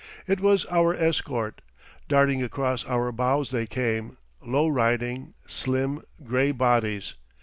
It was our escort. Darting across our bows they came low riding, slim, gray bodies.